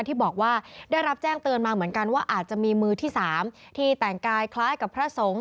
ที่บอกว่าได้รับแจ้งเตือนมาเหมือนกันว่าอาจจะมีมือที่๓ที่แต่งกายคล้ายกับพระสงฆ์